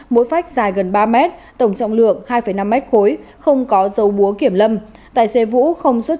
mỗi phách dài gần ba m tổng trọng lượng hai năm m khối không có dấu búa kiểm lâm tài xế vũ không xuất